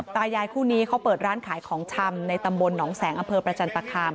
ตายายคู่นี้เขาเปิดร้านขายของชำในตำบลหนองแสงอำเภอประจันตคาม